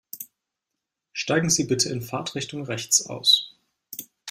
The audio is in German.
Steigen Sie bitte in Fahrtrichtung rechts aus.